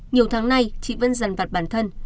nhiều tháng nay chị vẫn dằn vặt bản thân